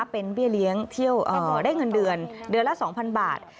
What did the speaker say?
เป็นเบี้ยเลี้ยงเที่ยวได้เงินเดือนเดือนละ๒๐๐บาท